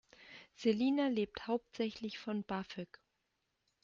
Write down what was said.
Selina lebt hauptsächlich von BAföG.